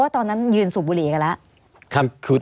ตอนนั้นยืนสูบบุหรี่กันแล้ว